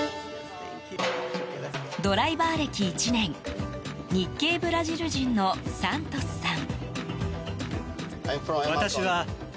ドライバー歴１年日系ブラジル人のサントスさん。